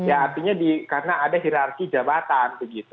artinya karena ada hirarki jabatan